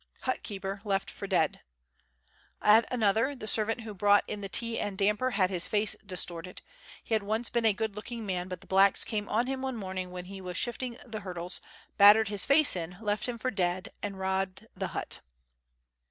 Hut keeper left for Dead. At another, the servant who brought in the tea and damper had his face distorted. He had once been a good looking man, but the blacks came on him one morning when he was shifting the hurdles, battered his face in, left him for dead, and robbed the hut.